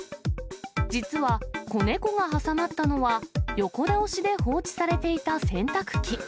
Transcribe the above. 実は子猫が挟まったのは、横倒しで放置されていた洗濯機。